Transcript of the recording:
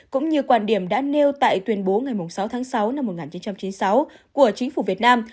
cũng như quan điểm đã nêu tại tuyên bố ngày sáu tháng sáu năm một nghìn chín trăm chín mươi sáu của chính phủ việt nam